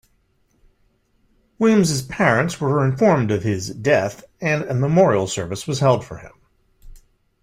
Williams' parents were informed of his "death" and a memorial service held for him.